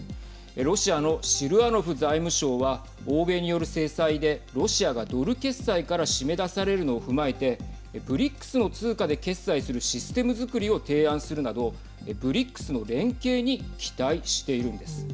ロシアのシルアノフ財務相は欧米による制裁でロシアがドル決済から締め出されるのを踏まえてＢＲＩＣＳの通貨で決済するシステム作りを提案するなどＢＲＩＣＳの連携に期待しているんです。